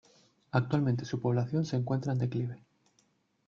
Actualmente su población se encuentra en declive.